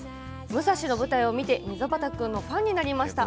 「ムサシ」の舞台を見て溝端君のファンになりました。